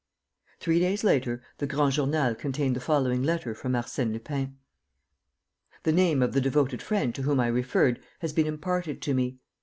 Three days later the Grand Journal contained the following letter from Arsène Lupin: "The name of the devoted friend to whom I referred has been imparted to me.